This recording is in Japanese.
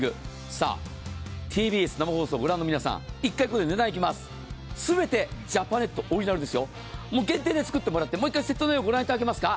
さあ、ＴＢＳ生放送をご覧の皆さん、全てジャパネットオリジナルですよ、限定で作ってもらって、もう一回セット内容ご覧いただけますか？